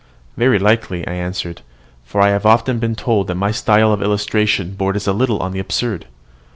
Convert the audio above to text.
"Very likely," I answered; "for I have often been told that my style of illustration borders a little on the absurd.